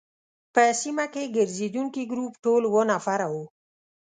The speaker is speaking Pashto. په سیمه کې ګرزېدونکي ګروپ ټول اووه نفره وو.